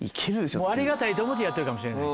もうありがたいと思ってやってるかもしれない。